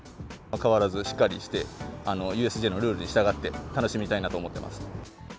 変わらずしっかりして、ＵＳＪのルールに従って楽しみたいなと思っています。